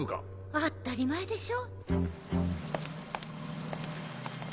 当ったり前でしょ。